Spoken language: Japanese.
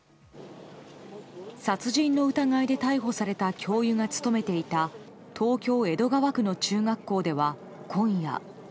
殺人の疑いで逮捕された教諭が勤めていた東京・江戸川区の中学校では今夜。